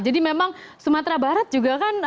jadi memang sumatera barat juga kan hampir mirip mirapaca ya